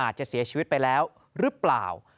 เสียชีวิตไปแล้วหรือเปล่า